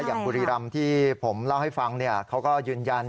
อย่างบุรีรำที่ผมเล่าให้ฟังเขาก็ยืนยัน